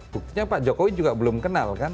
buktinya pak jokowi juga belum kenal kan